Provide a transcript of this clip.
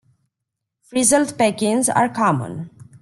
Frizzled Pekins are common.